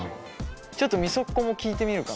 ちょっとみそっこも聞いてみるか。